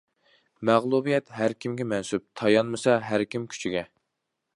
مەغلۇبىيەت ھەر كىمگە مەنسۇپ، تايانمىسا ھەر كىم كۈچىگە.